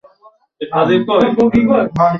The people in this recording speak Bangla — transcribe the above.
ডজসন এটা ধামাচাপা দিচ্ছে।